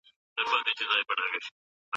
د مروې جګړې پایلې د سیمې پر سیاست لوی اغېز درلود.